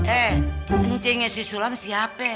eh cingnya si sulam siapa